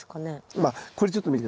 まあこれちょっと見て下さい。